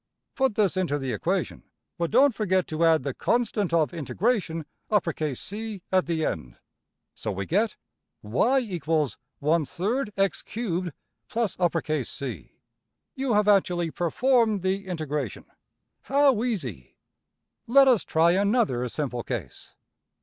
Put this into the equation; but don't forget to add the ``constant of integration''~$C$ at the end. So we get: \[ y = \tfrac x^3 + C. \] You have actually performed the integration. How easy! Let us try another simple case.